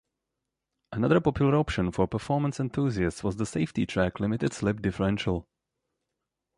Another popular option for performance enthusiasts was the "Safe-T-Track" limited slip differential.